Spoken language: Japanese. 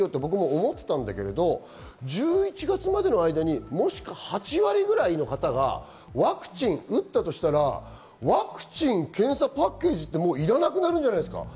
思ってたんだけど、１１月までの間に８割くらいの方がワクチン打ったとしたらワクチン・検査パッケージってもういらなくなるんじゃないですか。